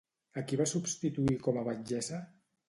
A qui va substituir com a batllessa?